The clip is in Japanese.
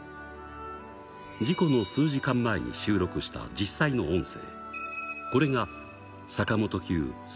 事故の数時間前に収録した実際の音声。